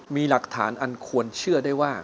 มีหลักฐานอันควรเชื่อได้ว่า